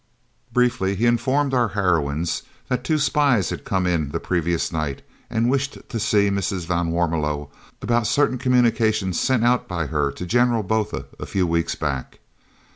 Briefly he informed our heroines that two spies had come in the previous night and wished to see Mrs. van Warmelo about certain communications sent out by her to General Botha a few weeks back.